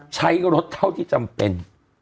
ใช้รถเท่าที่จำเป็น